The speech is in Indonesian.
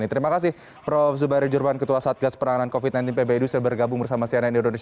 terima kasih prof zubairi